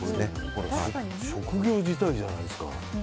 職業辞退じゃないですか。